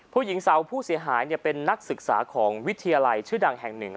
ผู้หญิงสาวผู้เสียหายเป็นนักศึกษาของวิทยาลัยชื่อดังแห่งหนึ่ง